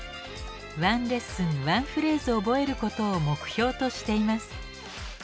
１レッスン１フレーズを覚えることを目標としています。